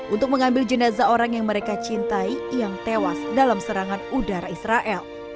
untuk mengambil jenazah orang yang mereka cintai yang tewas dalam serangan udara israel